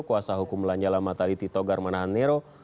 kuasa hukum lanyala mataliti togar manahanero